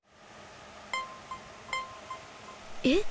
えっ？